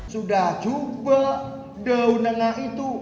sudah coba daunanak itu